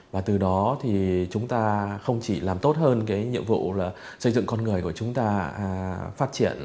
và từ đó thì chúng ta không chỉ làm tốt hơn nhiệm vụ xây dựng con người của chúng ta